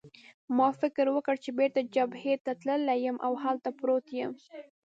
ما فکر وکړ چې بېرته جبهې ته تللی یم او هلته پروت یم.